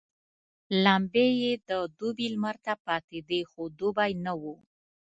لمبې يې د دوبي لمر ته پاتېدې خو دوبی نه وو.